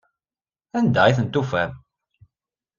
Anda i tent-tufam?